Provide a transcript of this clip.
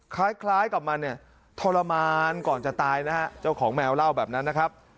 คล้ายกับมันเนี่ยทรมานก่อนจะตายนะฮะเจ้าของแมวเล่าแบบนั้นนะครับ